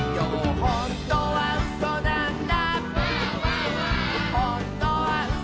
「ほんとにうそなんだ」